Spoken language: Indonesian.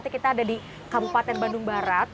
kita ada di kabupaten bandung barat